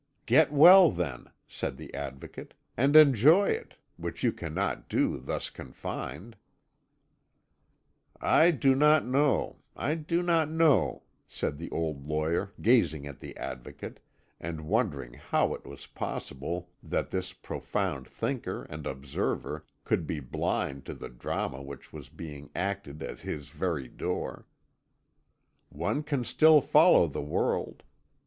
"Get well, then," said the Advocate, "and enjoy it which you cannot do, thus confined." "I do not know I do not know," said the old lawyer, gazing at the Advocate, and wondering how it was possible that this profound thinker and observer could be blind to the drama which was being acted at his very door, "one can still follow the world.